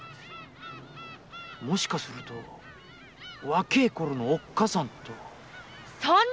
もしかすると若いころのおっかさんと？